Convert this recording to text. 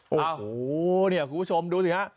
โอ้โหเนี่ยคุณผู้ชมดูสิฮะ